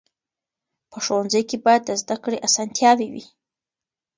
په ښوونځي کې باید د زده کړې اسانتیاوې وي.